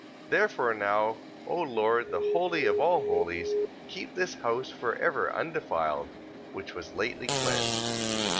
14:36. Therefore now, O Lord, the holy of all holies, keep this house for ever undefiled, which was lately cleansed.